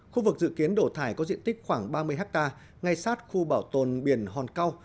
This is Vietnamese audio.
khu vực dự kiến đổ thải có diện tích khoảng ba mươi hectare ngay sát khu bảo tồn biển hòn cao